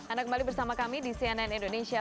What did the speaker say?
anda kembali bersama kami di cnn indonesia